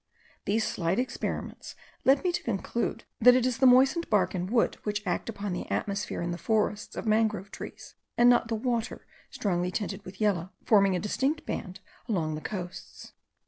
These slight experiments led me to conclude that it is the moistened bark and wood which act upon the atmosphere in the forests of mangrove trees, and not the water strongly tinged with yellow, forming a distinct band along the coasts.